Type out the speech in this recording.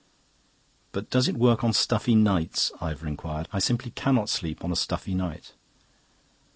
"But does it work on stuffy nights?" Ivor inquired. "I simply cannot sleep on a stuffy night."